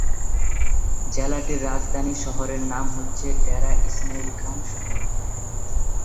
জেলাটির রাজধানী শহরের নাম হচ্ছে ডেরা ইসমাইল খান শহর।